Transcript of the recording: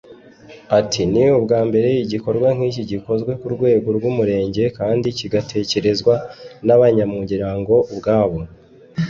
Ati “Ni ubwa mbere igikorwa nk’ iki gikozwe ku rwego rw’umurenge kandi kigatekerezwa n’abanyamuryango ubwabo